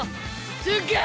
すっげえ！